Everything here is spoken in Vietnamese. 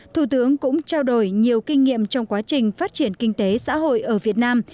thủ tướng cũng trao đổi nhiều kinh nghiệm trong quá trình phát triển kinh tế xã hội ở việt nam